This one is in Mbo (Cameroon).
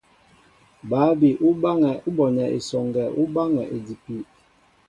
Bǎ bi ú bonɛ esɔŋgɛ ú báŋɛ́ idipi.